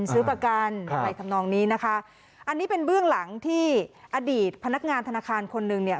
ซื้อประกันอะไรทำนองนี้นะคะอันนี้เป็นเบื้องหลังที่อดีตพนักงานธนาคารคนหนึ่งเนี่ย